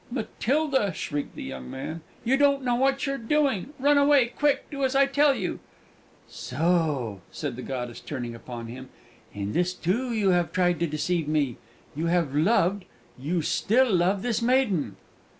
"Matilda!" shrieked the wretched man, "you don't know what you're doing. Run away, quick! Do as I tell you!" "So," said the goddess, turning upon him, "in this, too, you have tried to deceive me! You have loved you still love this maiden!"